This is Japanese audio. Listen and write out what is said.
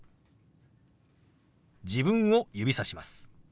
自分を指さします。